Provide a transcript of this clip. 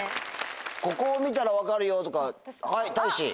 ここを見たら分かるよとかはいたいし！